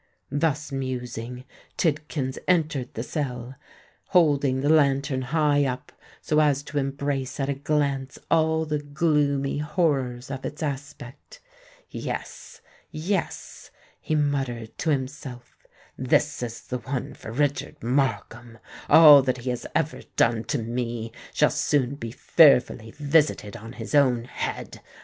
Thus musing, Tidkins entered the cell, holding the lantern high up so as to embrace at a glance all the gloomy horrors of its aspect. "Yes—yes!" he muttered to himself: "this is the one for Richard Markham! All that he has ever done to me shall soon be fearfully visited on his own head!